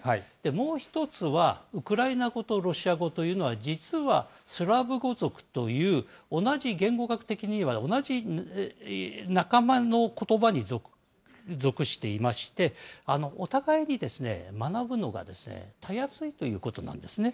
もう１つは、ウクライナ語とロシア語というのは実はスラブ語族という同じ、言語学的には同じ仲間のことばに属していまして、お互いに学ぶのがたやすいということなんですね。